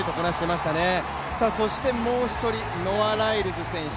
もう１人、ノア・ライルズ選手。